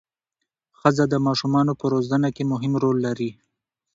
ښځه د ماشومانو په روزنه کې مهم رول لري